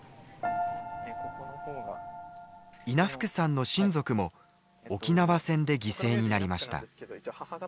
稲福さんの親族も沖縄戦で犠牲になりました。